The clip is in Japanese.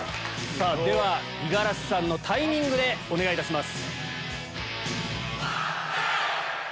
では五十嵐さんのタイミングでお願いいたします！